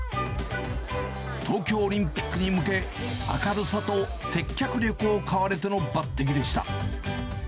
東京オリンピックに向け、明るさと接客力を買われての抜てきでした。